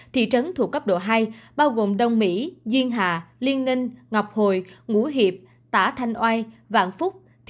thị trấn thuộc cấp độ hai bao gồm đông mỹ duyên hà liên ninh ngọc hồi ngũ hiệp tả thanh oai vạn phúc